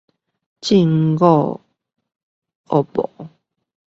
正午惡魔